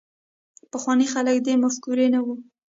پخواني خلک د دې مفکورې نه وو.